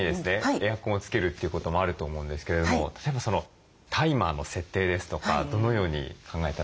エアコンをつけるということもあると思うんですけれども例えばタイマーの設定ですとかどのように考えたらいいんでしょうか？